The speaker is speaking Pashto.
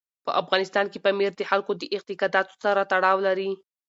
په افغانستان کې پامیر د خلکو د اعتقاداتو سره تړاو لري.